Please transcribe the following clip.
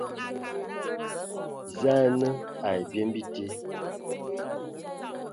Za a nǝ ai byem bite,